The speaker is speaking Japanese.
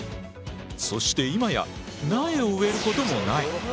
そして今や苗を植えることもない。